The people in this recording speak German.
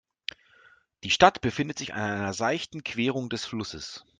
Die Stadt befindet sich an einer seichten Querung des Flusses.